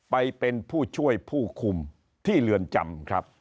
ไปเป็นผู้ช่วยผู้คุมที่เรือนจำครับ